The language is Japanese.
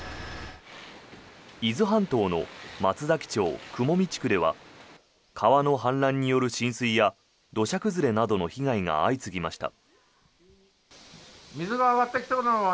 伊豆半島の松崎町雲見地区では川の氾濫による浸水や土砂崩れなどの被害が相次ぎました。